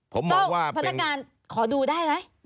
เจ้าพนักงานขอดูได้ไหม